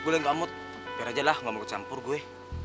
lo amut biar aja lah gak mau ke campur gue